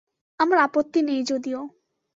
আমার আপত্তি নেই যদিও।